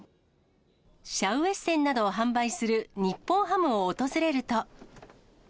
シャウエッセンなどを販売する日本ハムを訪れると。